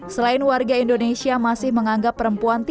selain warga indonesia masih menganggap indonesia sebagai perempuan indonesia